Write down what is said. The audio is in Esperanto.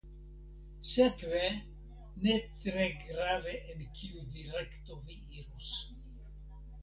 Sekve, ne tre grave en kiu direkto vi iros.